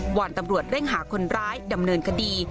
อนตำรวจเร่งหาคนร้ายดำเนินคดี